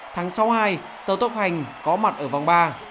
tháng sáu hai tàu tốc hành có mặt ở vòng ba